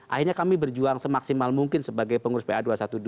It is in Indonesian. akhirnya kami berjuang semaksimal mungkin sebagai pengurus pa dua ratus dua belas